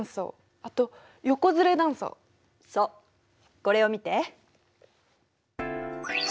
そうこれを見て。